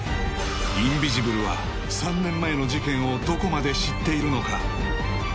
インビジブルは３年前の事件をどこまで知っているのか？